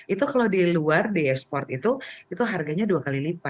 itu kalau di luar di ekspor itu itu harganya dua kali lipat